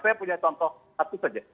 saya punya contoh satu saja